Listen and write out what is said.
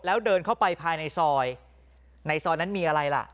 แล้วเดินเข้าไปภายในซอยในซอยนั้นมีอะไรล่ะ